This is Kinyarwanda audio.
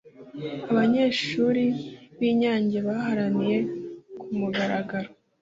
abanyeshuri b'i nyange baharaniye ku mugaragaro